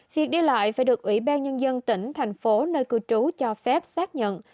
việc đi lại phải được ủy ban nhân dân tỉnh thành phố nơi cư trú cho phép xác nhận